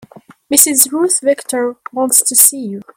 Mrs. Ruth Victor wants to see you.